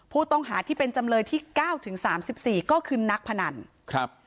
ผู้ต้องหาที่เป็นจำเลยที่๙๓๔ก็คือนักพนันครับ